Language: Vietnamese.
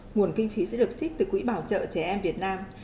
nguồn kinh phí sẽ được trích từ quỹ bảo trợ trẻ em việt nam